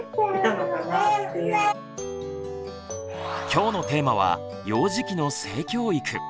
きょうのテーマは「幼児期の性教育」。